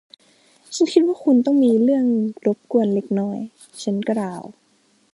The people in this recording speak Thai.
ฉันคิดว่าคุณต้องมีเรื่องรบกวนเล็กน้อย ฉันกล่าว